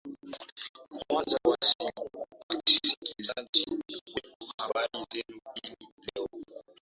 kwanza wasikilizaji wetu habari zenu hii leo